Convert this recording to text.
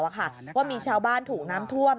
ว่ามีชาวบ้านถูกน้ำท่วม